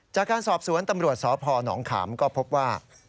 จากการสอบสวนตำรวจสพนขามก็พบว่า